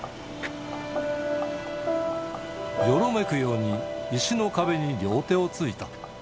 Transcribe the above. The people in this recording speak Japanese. よろめくように石の壁に両手をついた。